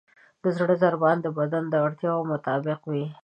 د زړه ضربان د بدن د اړتیاوو مطابق وي.